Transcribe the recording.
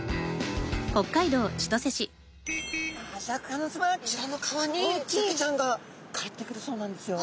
こちらの川にサケちゃんが帰ってくるそうなんですよ。